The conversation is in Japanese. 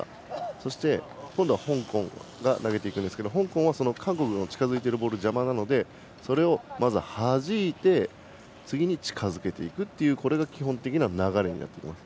そして今度は香港が投げますが香港は韓国の近づいているボールが邪魔なのでそれをはじいて、次に近づけていくというのが基本的な流れになっていきます。